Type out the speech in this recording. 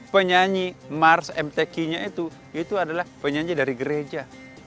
penyanyi mars mtk nya itu itu adalah penyanyi dari gereja